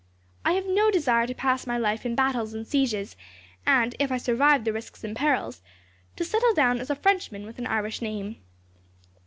I have no desire to pass my life in battles and sieges, and, if I survive the risks and perils, to settle down as a Frenchman with an Irish name."